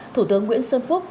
thủ tướng nguyễn xuân phúc